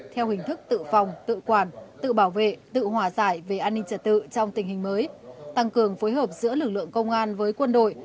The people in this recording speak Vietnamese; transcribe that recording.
theo hình thức tự phòng tự quản tự bảo vệ tự hòa giải về an ninh trật tự trong tình hình mới tăng cường phối hợp giữa lực lượng công an với quân đội